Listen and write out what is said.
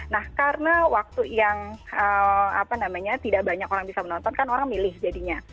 nah karena waktu yang tidak banyak orang bisa menonton kan orang milih jadinya